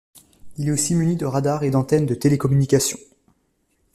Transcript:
Il est aussi muni de radars et d'antenne de télécommunication.